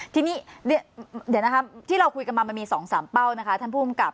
ทีนี้เดี๋ยวนะครับที่เราคุยกันมามันมี๒๓เป้านะคะท่านผู้กำกับ